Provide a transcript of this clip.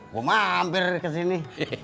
gue mampir ke sini